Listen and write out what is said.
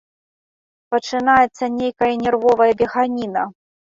Пачынаецца нейкая нервовая беганіна.